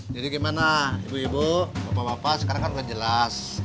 jadi gimana ibu ibu bapak bapak sekarang kan udah jelas